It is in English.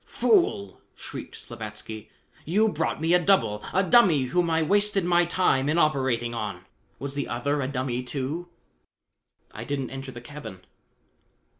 "Fool!" shrieked Slavatsky. "You brought me a double, a dummy whom I wasted my time in operating on. Was the other a dummy, too?" "I didn't enter the cabin."